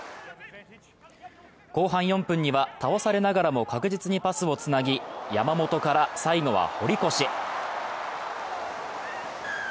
後半４分には倒されながらも確実にパスをつなぎ山本から、最後は堀越。